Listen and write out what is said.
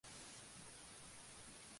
Se encuentra en Burundi, Congo y Ruanda.